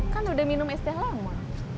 kan udah minum es teh lama